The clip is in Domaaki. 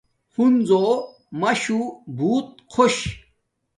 ہنزو ماشو بوت خوش چھا